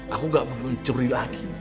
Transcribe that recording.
aku gak mau mencuri lagi